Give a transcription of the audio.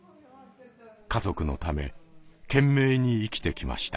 家族のため懸命に生きてきました。